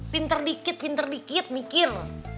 pinter dikit pinter dikit mikir